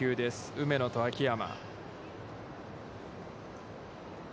梅野と秋山。